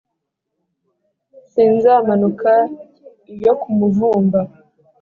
Sinzamanuka iyo ku Muvumba